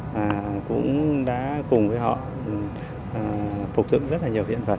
và cũng đã cùng với họ phục dựng rất là nhiều hiện vật